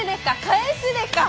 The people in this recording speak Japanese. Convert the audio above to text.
返しでか！